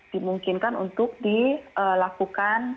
dimungkinkan untuk dilakukan